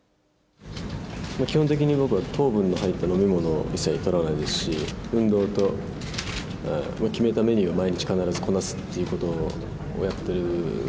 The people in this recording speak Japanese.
基本的に僕は糖分の入った飲み物は一切とらないですし、運動と決めたメニューを毎日必ずこなすっていうことをやってる。